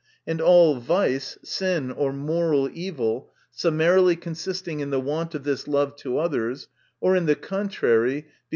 And all vice, sin, or moral evil, summarily consisting in the want of this love to others, or in the contrary, viz.